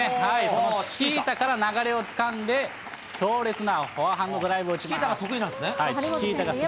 そのチキータから流れをつかんで、強烈なフォアハンドドライブを打ちます。